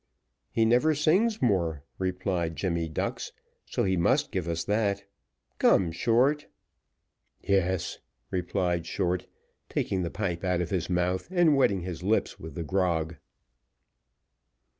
"He never sings more," replied Jemmy Ducks, "so he must give us that. Come, Short." "Yes," replied Short, taking the pipe out of his mouth, and wetting his lips with the grog.